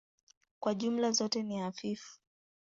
Kwa jumla zote ni hafifu.